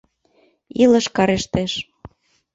Илыш карештеш